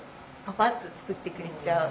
パパッと作ってくれちゃう。